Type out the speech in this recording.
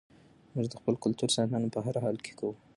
موږ د خپل کلتور ساتنه په هر حال کې کوو.